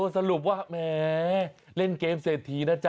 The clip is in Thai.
สรุปว่าแหมเล่นเกมเศรษฐีนะจ๊